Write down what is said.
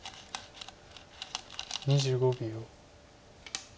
２５秒。